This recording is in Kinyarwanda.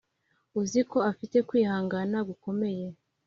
uziko afite kwihangana gukomeye